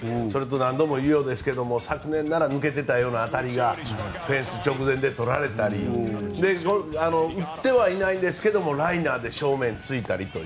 何度も言うようですけども昨年なら抜けていた当たりがフェンス直前でとられたり打ってはいないんですがライナーで正面突いたりと。